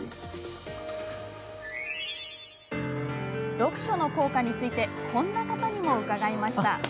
読書の効果についてこんな方にも伺いました。